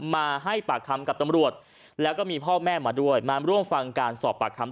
มาให้ปากคำกับตำรวจแล้วก็มีพ่อแม่มาด้วยมาร่วมฟังการสอบปากคำ